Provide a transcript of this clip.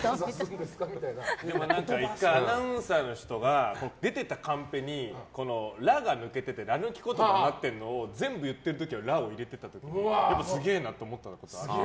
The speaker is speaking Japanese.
何か１回アナウンサーの人が出てたカンペに「ら」が抜けててら抜き言葉になっているのを全部言ってる時にら、を入れてた時にすげえなって思った。